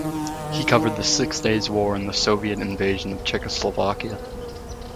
He covered the Six Days War and the Soviet invasion of Czechoslovakia.